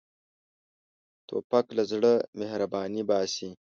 توپک له زړه مهرباني باسي.